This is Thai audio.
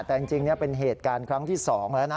แต่จริงเป็นเหตุการณ์ครั้งที่๒แล้วนะ